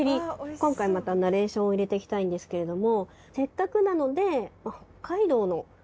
今回またナレーションを入れていきたいんですけれどもせっかくなので。